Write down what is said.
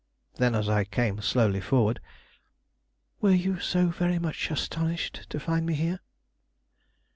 Then, as I came slowly forward: "Were you so very much astonished to find me here?"